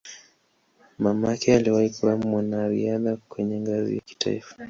Mamake aliwahi kuwa mwanariadha kwenye ngazi ya kitaifa.